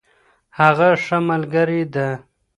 هغه ښه ملګرې ده.